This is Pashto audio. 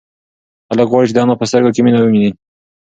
هلک غواړي چې د انا په سترگو کې مینه وویني.